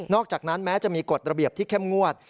อกจากนั้นแม้จะมีกฎระเบียบที่เข้มงวด